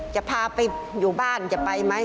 จะพาไปอยู่บ้านจะไปไหม